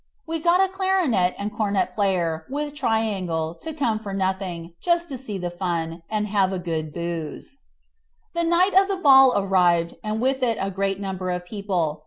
We got a clarionet and cornet player, with triangle, to come for nothing, just to see the fun, and have a good booze. The night of the ball arrived, and with it a great number of people.